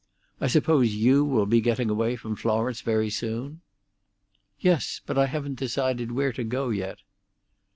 I suppose you will be getting away from Florence very soon. "Yes. But I haven't decided where to go yet."